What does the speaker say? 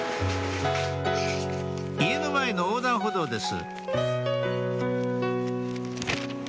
家の前の横断歩道です